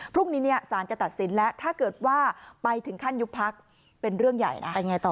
พรุ่งนี้สารจะตัดสินแล้วถ้าเกิดว่าไปถึงขั้นยุบพักเป็นเรื่องใหญ่นะ